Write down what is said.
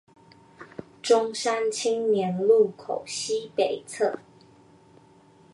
中山青年路口西北側